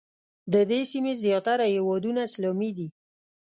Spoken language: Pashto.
د دې سیمې زیاتره هېوادونه اسلامي دي.